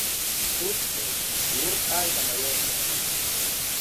Суццоит, иурҭааит амаиорра!